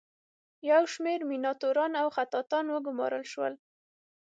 یو شمیر میناتوران او خطاطان وګومارل شول.